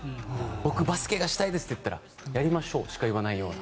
僕、バスケがしたいですと言ったらやりましょうしか言わないような。